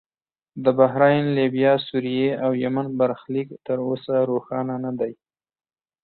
د بحرین، لیبیا، سوریې او یمن برخلیک تر اوسه روښانه نه دی.